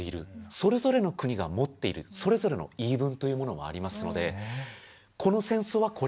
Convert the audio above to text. それぞれの国が持っているそれぞれの言い分というものもありますのでこの戦争はこれが定義